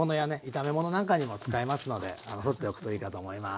炒め物なんかにも使えますので取っておくといいかと思います。